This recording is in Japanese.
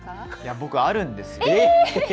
僕、あるんですよ。